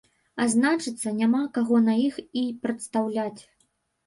А значыцца няма каго на іх і прадстаўляць.